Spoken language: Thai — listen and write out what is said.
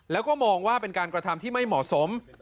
แล้วก็มองว่าเป็นการกระทำที่ไม่เหมาะสม